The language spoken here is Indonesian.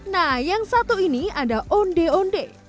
nah yang satu ini ada onde onde